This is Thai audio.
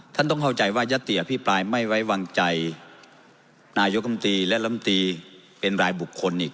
ต้องเข้าใจว่ายัตติอภิปรายไม่ไว้วางใจนายกรรมตรีและลำตีเป็นรายบุคคลอีก